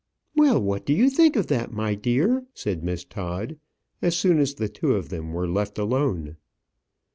"Well, what do you think of that, my dear?" said Miss Todd, as soon as the two of them were left alone.